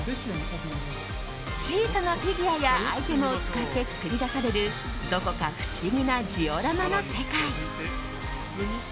小さなフィギュアやアイテムを使って作り出されるどこか不思議なジオラマの世界。